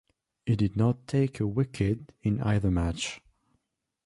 He did not take a wicket in either match.